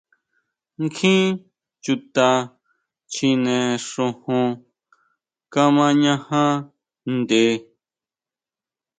Kjín chuta chjine xojon kamañaja ntʼe.